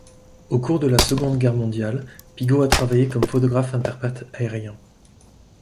Au cours de la Seconde Guerre Mondiale Piggott a travaillé comme photographe-interprète aérien.